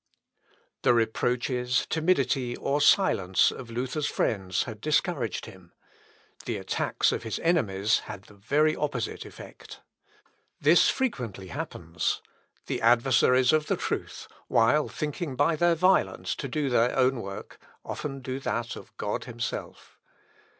The reproaches, timidity, or silence, of Luther's friends had discouraged him; the attacks of his enemies had the very opposite effect. This frequently happens. The adversaries of the truth, while thinking by their violence to do their own work, often do that of God himself.